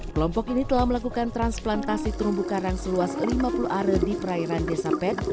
kelompok ini telah melakukan transplantasi terumbu karang seluas lima puluh are di perairan desa ped